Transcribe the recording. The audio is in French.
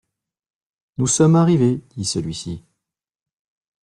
Nous sommes arrivés, dit celui-ci.